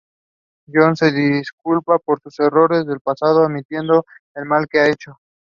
The light novel has been licensed in North America by Seven Seas Entertainment.